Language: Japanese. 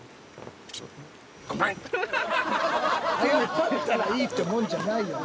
謝ったらいいってもんじゃないよな。